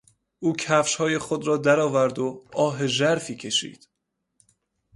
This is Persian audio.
او کفشهای خود را درآورد و آه ژرفی کشید.